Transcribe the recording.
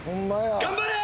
頑張れー！